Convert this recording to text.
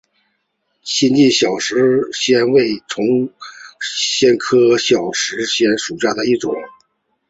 新进小石藓为丛藓科小石藓属下的一个种。